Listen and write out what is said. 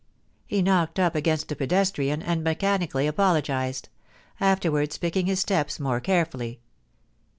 He knocked up against a pedestrian and mechanically apologised: after wards picking his steps more carefully.